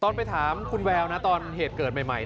ไปถามคุณแววนะตอนเหตุเกิดใหม่